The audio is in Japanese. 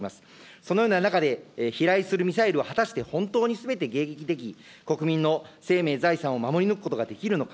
そのような中で、飛来するミサイルを果たして本当にすべて迎撃でき、国民の生命、財産を守り抜くことができるのか。